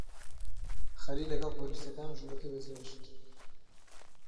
خەلیل لەگەڵ پۆلیسەکان ژوورەکەی بەجێهێشت.